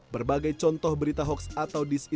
berbagai contoh berita hoaks atau disinformasi